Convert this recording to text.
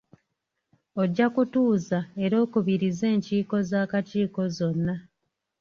Ojja kutuuza era okubirize enkiiko z'akakiiko zonna.